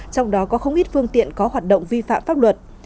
trong đó có không ít phương tiện có hoạt động vi phạm pháp luật